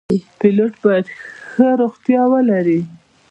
پیلوټ باید ښه روغتیا ولري.